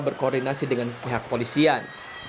berkoordinasi dengan pihak polisian